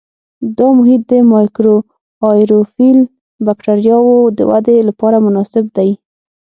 دا محیط د مایکروآیروفیل بکټریاوو د ودې لپاره مناسب دی.